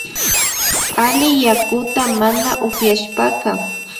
Alli yakuta mana upyashpaka